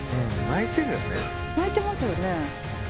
「泣いてますよね」